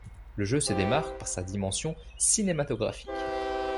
Le jeu se démarque par sa dimension cinématographique.